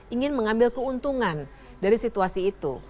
ingin mengambil keuntungan dari situasi itu